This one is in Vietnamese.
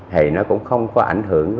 thì nó cũng không có ảnh hưởng